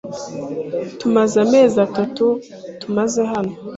Tumaze amezi atatu tumaze hano.